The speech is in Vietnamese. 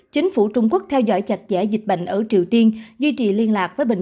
chính phủ trung quốc theo dõi chặt chẽ dịch bệnh ở triều tiên duy trì liên lạc với bệnh